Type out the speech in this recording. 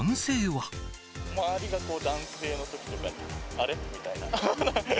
周りが男性のときとか、あれ？みたいな。